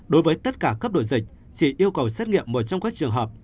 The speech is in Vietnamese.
đối với tất cả cấp đổi dịch chỉ yêu cầu xét nghiệm một trong các trường hợp